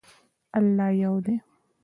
الله یو دی.